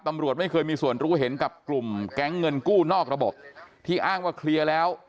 ตำรวจไม่เคยมีส่วนรู้เห็นกับกลุ่มแก๊งเงินกู้นอกระบบที่อ้างว่าเคลียร์แล้ว